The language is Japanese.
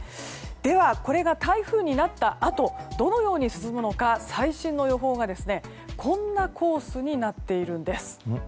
では、これが台風になったあとどのように進むのか最新の予報がこんなコースになっているんです。